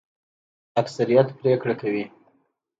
اکثریت پریکړه کوي